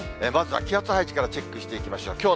まずは気圧配置からチェックしていきましょう。